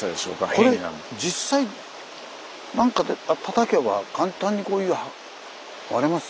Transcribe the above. これ実際何かでたたけば簡単に割れます？